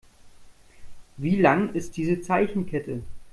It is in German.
Wie lang ist diese Zeichenkette?